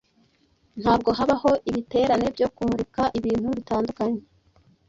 Ntabwo habaho ibiterane byo kumurika ibintu bitandukanye,